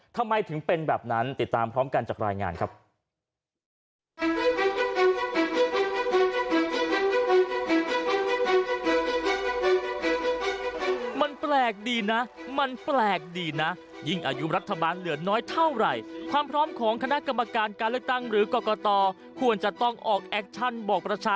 ทำไมถึงเป็นแบบนั้นติดตามพร้อมกันจากรายงานครับ